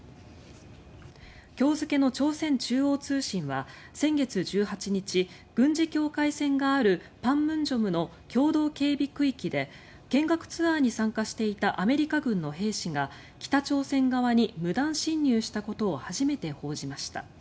今日付の朝鮮中央通信は先月１８日軍事境界線がある板門店の共同警備区域で見学ツアーに参加していたアメリカ軍の兵士が北朝鮮側に無断侵入したことを初めて報じました。